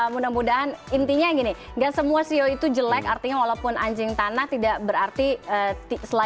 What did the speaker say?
mudah mudahan intinya gini gak semua sio itu jelek artinya walaupun anjing tanah tidak berarti selain tiga sio itu jelek